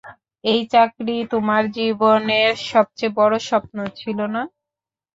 এই চাকরি তোমার জীবনের সবচেয়ে বড় স্বপ্ন ছিল না?